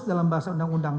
dalam bahasa undang undang